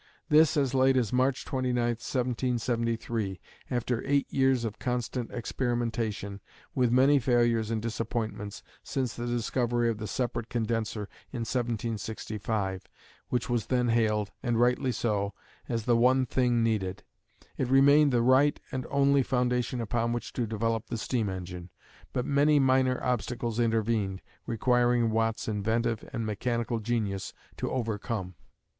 This as late as March 29, 1773, after eight years of constant experimentation, with many failures and disappointments, since the discovery of the separate condenser in 1765, which was then hailed, and rightly so, as the one thing needed. It remained the right and only foundation upon which to develop the steam engine, but many minor obstacles intervened, requiring Watt's inventive and mechanical genius to overcome.